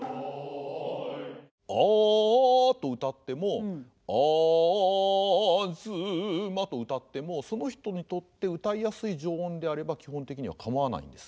「ああ」と謡っても「東」と謡ってもその人にとって謡いやすい上音であれば基本的には構わないんです。